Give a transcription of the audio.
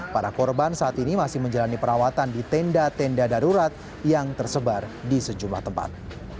para korban saat ini masih menjalani perawatan di tenda tenda darurat yang tersebar di sejumlah tempat